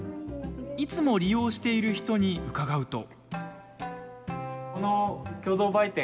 いつも利用している人に伺うと。